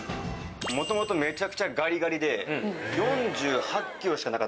もともとめちゃくちゃガリガリで４８ｋｇしかなかったんです。